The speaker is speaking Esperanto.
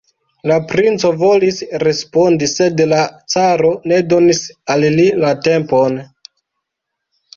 La princo volis respondi, sed la caro ne donis al li la tempon.